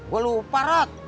gua lupa rot